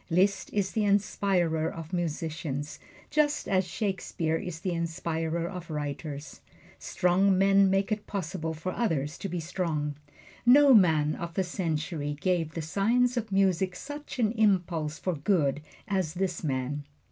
Liszt is the inspirer of musicians, just as Shakespeare is the inspirer of writers. Strong men make it possible for others to be strong. No man of the century gave the science of music such an impulse for good as this man.